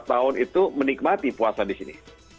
lima tahun itu menikmati puasa di sini